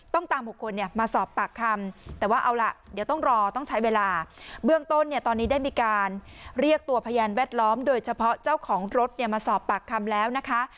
ตามบุคคลมาสอบปากคำแต่ว่าเอาล่ะเดี๋ยวต้องรอต้องใช้เวลาเบื้องต้นเนี่ยตอนนี้ได้มีการเรียกตัวพยานแวดล้อมโดยเฉพาะเจ้าของรถเนี่ยมาสอบปากคำแล้วนะคะ